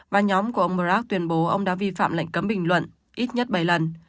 và nhóm của ông mrac tuyên bố ông đã vi phạm lệnh cấm bình luận ít nhất bảy lần